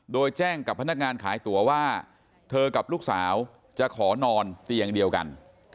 โดยแจ้งกับพนักงานขายตั๋วว่าเธอกับลูกสาวจะขอนอนเตียงเดียวกัน